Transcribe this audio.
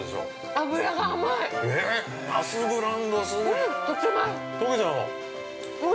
◆脂が甘い！